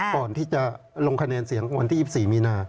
ก่อนที่จะลงคะแนนเสียงวันที่๒๔มีนา